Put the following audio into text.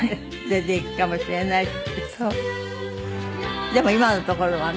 出ていくかもしれないし。